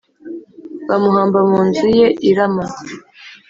bamuhamba mu nzu ye i Rama.